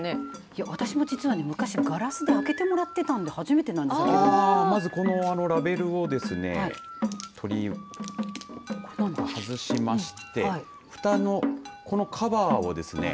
私も実はね昔ガラスで開けてもらってたんでまず、このラベルをですね外しましてふたのこのカバーをですね